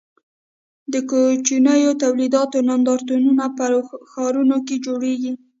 د کوچنیو تولیداتو نندارتونونه په ښارونو کې جوړیږي.